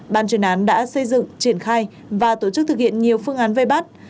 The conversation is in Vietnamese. ban chuyên án đã xây dựng triển khai và tổ chức thực hiện nhiều phương án vây bắt